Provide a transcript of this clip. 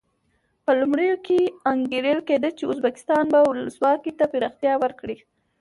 په لومړیو کې انګېرل کېده چې ازبکستان به ولسواکي ته پراختیا ورکړي.